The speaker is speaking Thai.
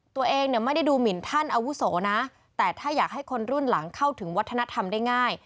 ตัวเองเนี่ยไม่ได้ดูหมินท่านอาวุโสนะแต่ถ้าอยากให้คนรุ่นหลังเข้าถึงวัฒนธรรมได้ง่าย